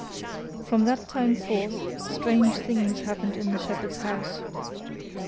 From that time forth, strange things happened in the shepherd's house.